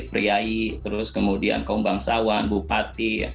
seperti kaum elit priai terus kemudian kaum bangsawan bupati